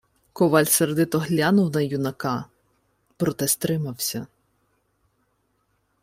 Коваль сердито глянув на юнака, проте стримався: